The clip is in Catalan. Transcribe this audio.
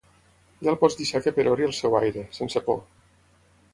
Ja el pots deixar que perori al seu aire, sense por.